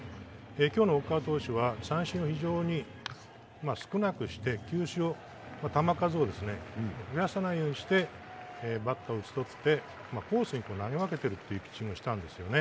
今日の奥川投手は三振を非常に少なくして、球数を増やさないようにしてバッターを打ち取ってコースに投げ分けているピッチングをしたんですよね。